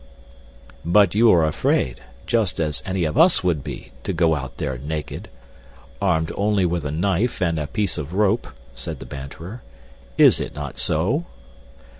"But you are afraid, just as any of us would be, to go out there naked, armed only with a knife and a piece of rope," said the banterer. "Is it not so?"